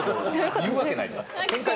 言うわけないじゃん。